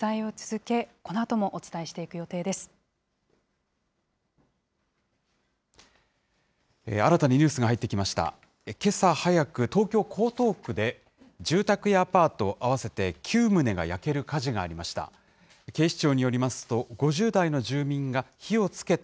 けさ早く、東京・江東区で、住宅やアパート合わせて９棟が焼ける火事がありました。